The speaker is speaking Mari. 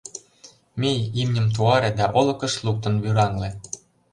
Мий, имньым туаре да олыкыш луктын вӱраҥле!